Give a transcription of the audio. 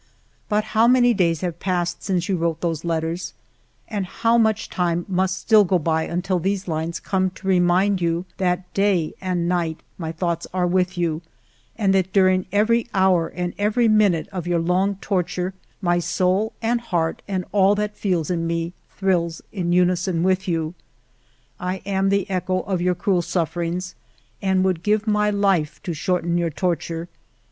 " But how many days have passed since you wrote those letters, and how much time must still go by until these lines come to remind you that day and night my thoughts are with you, and that during every hour and every minute of your long torture my soul and heart and all that feels in me thrills in unison with you! I am the echo of your cruel sufferings and would give my life to shorten your torture.